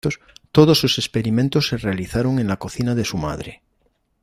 Todos sus experimentos se realizaron en la cocina de su madre.